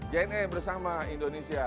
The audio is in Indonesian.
jna bersama indonesia